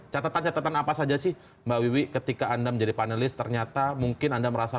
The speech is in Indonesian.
catatan catatan apa saja sih mbak wiwi ketika anda menjadi panelis ternyata mungkin anda merasa